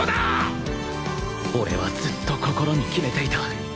俺はずっと心に決めていた